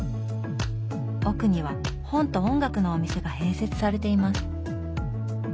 奥には本と音楽のお店が併設されています。